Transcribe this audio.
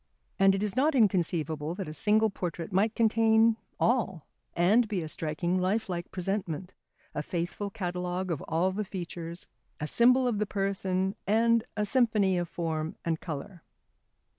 And it is not inconceivable that a single portrait might contain all and be a striking lifelike presentment, a faithful catalogue of all the features, a symbol of the person and a symphony of form and colour.